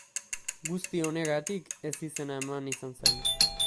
Guzti honegatik ezizena eman izan zaio.